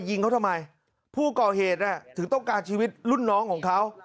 ยิงเขาทำไมผู้ก่อเหตุถึงต้องการชีวิตรุ่นน้องของเขา